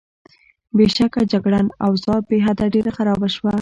بېشکه، جګړن: اوضاع بېحده ډېره خرابه شوه.